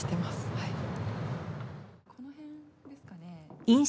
はいこのへんですかね